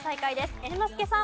猿之助さん。